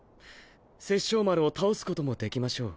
殺生丸を倒すこともできましょう。